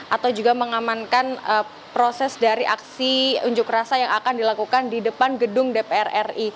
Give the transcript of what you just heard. atau juga mengamankan proses dari aksi unjuk rasa yang akan dilakukan di depan gedung dpr ri